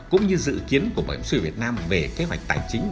cũng như dự kiến của bảo hiểm xã hội việt nam về kế hoạch tài chính